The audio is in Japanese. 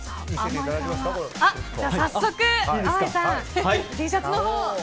早速、あまいさんＴシャツのほうを。